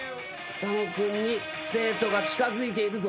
佐野君に生徒が近づいているぞ。